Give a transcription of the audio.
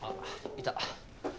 いた。